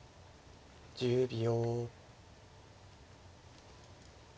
１０秒。